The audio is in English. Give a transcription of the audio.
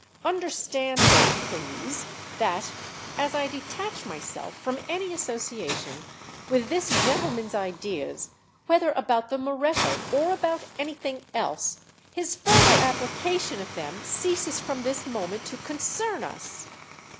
"Understand then, please, that, as I detach myself from any association with this gentleman's ideas—whether about the Moretto or about anything else—his further application of them ceases from this moment to concern us."